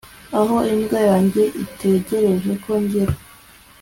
aho imbwa yanjye itegereje ko ngera